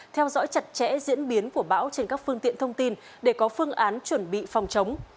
theo dõi chặt chẽ diễn biến của bão trên các phương tiện thông tin để có phương án chuẩn bị phòng chống